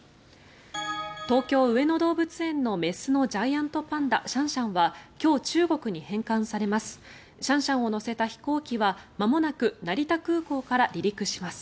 東京・上野動物園の雌のジャイアントパンダシャンシャンは今日、中国に返還されます。